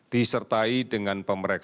disertai dengan pemerintah